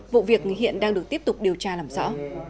vụ việc hiện đang được tiếp tục điều tra làm rõ